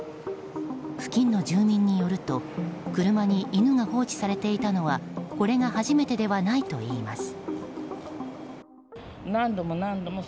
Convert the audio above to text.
付近の住民によると車に犬が放置されていたのはこれが初めてではないといいます。